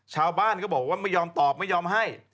ชาวบ้านก็บอกว่าไม่ยอมตอบไม่ยอมให้